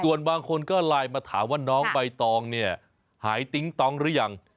ส่วนบางคนก็ไลน์มาถามว่าน้องใบตองเนี่ยหายติ๊งตองหรือยัง